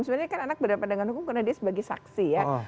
sebenarnya kan anak berhadapan dengan hukum karena dia sebagai saksi ya